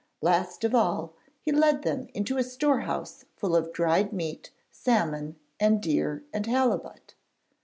Last of all he led them into a store house full of dried meat, salmon, and deer, and halibut.